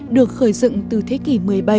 được khởi dựng từ thế kỷ một mươi bảy